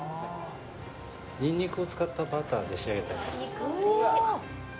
ニンニクを使ったバターで仕上げてあります